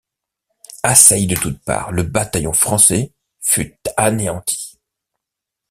Assailli de toutes parts, le bataillon français fut anéanti.